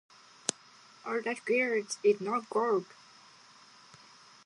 “All that glitters is not gold.”